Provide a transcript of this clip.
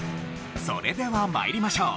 それでは参りましょう。